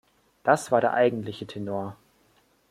Das war der eigentliche Tenor.